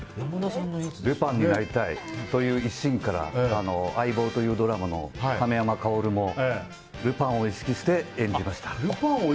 ルパンになりたいという一心から「相棒」というドラマの亀山薫もルパンを意識して演じました。